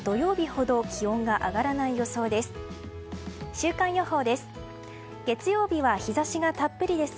週間予報です。